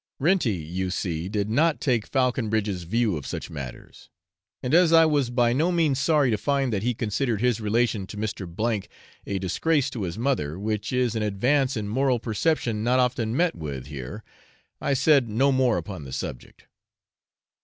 Renty, you see, did not take Falconbridge's view of such matters; and as I was by no means sorry to find that he considered his relation to Mr. K a disgrace to his mother, which is an advance in moral perception not often met with here, I said no more upon the subject.